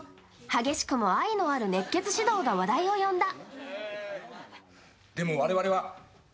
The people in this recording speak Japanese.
激しくも愛のある熱血指導が話題を呼んだ。